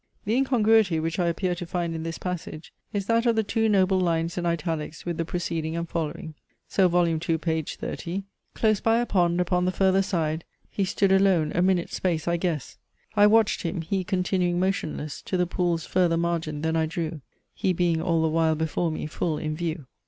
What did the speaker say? The incongruity, which I appear to find in this passage, is that of the two noble lines in italics with the preceding and following. So vol. II. page 30. "Close by a Pond, upon the further side, He stood alone; a minute's space I guess, I watch'd him, he continuing motionless To the Pool's further margin then I drew; He being all the while before me full in view."